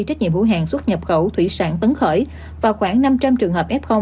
trách nhiệm hữu hàng xuất nhập khẩu thủy sản tấn khởi và khoảng năm trăm linh trường hợp f